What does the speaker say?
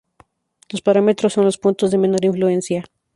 Los parámetros son los puntos de menor influencia.